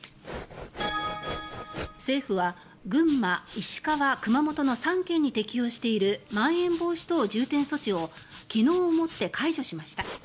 政府は群馬、石川、熊本の３県に適用しているまん延防止等重点措置を昨日をもって解除しました。